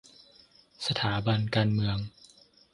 สถาบันการเมือง